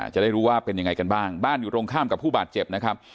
จะได้รู้ว่าเป็นยังไงกันบ้างบ้านอยู่ตรงข้ามกับผู้บาดเจ็บนะครับ